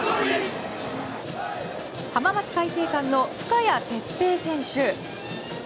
浜松開誠館の深谷哲平選手。